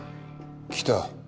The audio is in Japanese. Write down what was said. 来た。